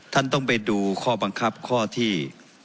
ท่านต้องไปดูข้อบังคับข้อที่